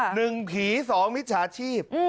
หนึ่งผีสองมิจฉาชีพ